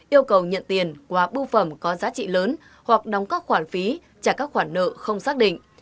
yêu cầu nhận tiền qua bưu phẩm có giá trị lớn hoặc đóng các khoản phí trả các khoản nợ không xác định